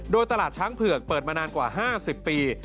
โดยตลาดช้างเผือกเปิดมานานกว่า๕๐ปี